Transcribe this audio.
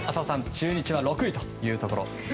中日が６位というところ。